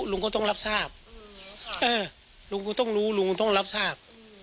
ลุงก็ต้องรับทราบ